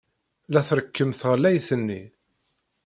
La trekkem tɣellayt-nni.